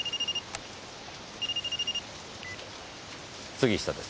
杉下です。